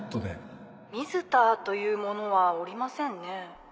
水田という者はおりませんね